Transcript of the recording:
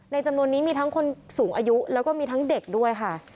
จำนวนนี้มีทั้งคนสูงอายุแล้วก็มีทั้งเด็กด้วยค่ะ